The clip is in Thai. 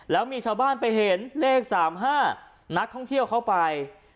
แล้วมีชาวบ้านไปเห็นเลข๓๕นักท่องเที่ยวเข้าไป